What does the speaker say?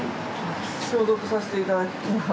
消毒させていただきます。